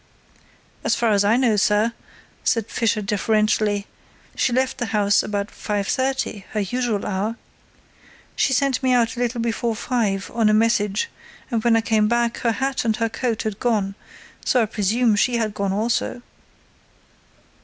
"As far as I know, sir," said Fisher deferentially, "she left the house about 5.30, her usual hour. She sent me out a little before five on a message and when I came back her hat and her coat had gone, so I presume she had gone also."